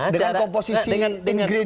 dengan komposisi bahan ahok yang lama